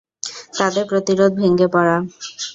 তাঁদের প্রতিরোধ ভেঙে পড়ে।